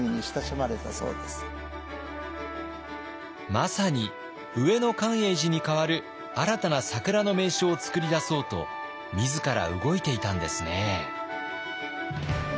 まさに上野寛永寺に代わる新たな桜の名所を作り出そうと自ら動いていたんですね。